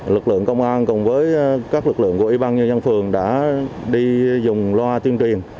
lực lượng công an cùng với các lực lượng của ủy ban nhân dân phường đã đi dùng loa tuyên truyền